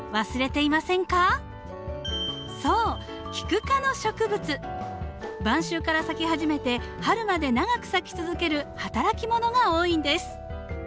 そう晩秋から咲き始めて春まで長く咲き続ける働き者が多いんです。